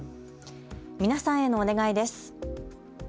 皆さんへのお願いです。